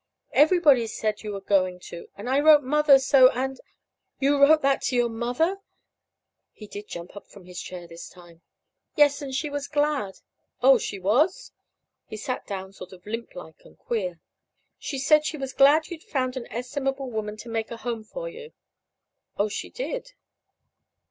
"Everybody said you were going to, and I wrote Mother so; and " "You wrote that to your mother?" He did jump from his chair this time. "Yes; and she was glad." "Oh, she was!" He sat down sort of limp like and queer. "Yes. She said she was glad you'd found an estimable woman to make a home for you." "Oh, she did."